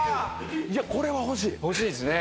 いやこれは欲しい欲しいですね